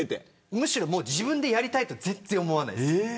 むしろ自分でやりたいと全然思わないです。